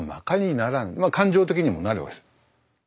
感情的にもなるわけです。